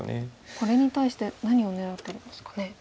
これに対して何を狙ってるんですかね。